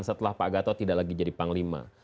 setelah pak gatot tidak lagi jadi panglima